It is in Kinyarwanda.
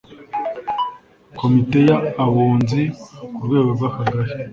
Komite y abunzi ku rwego rw akagari